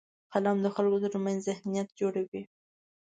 قلم د خلکو ترمنځ ذهنیت جوړوي